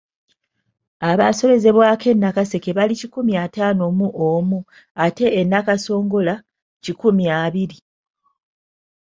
Abaasobezebwako e Nakaseke bali kikumi ataano mu omu ate e Nakasongola kikumi abiri.